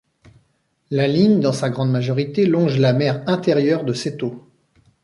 La ligne dans sa grande majorité, longe la mer intérieure de Seto.